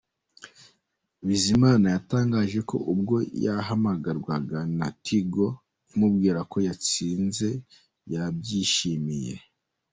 Bizimana yatangaje ko ubwo yahamagarwaga na Tigo imubwira ko yhatsinze yabyishimiye.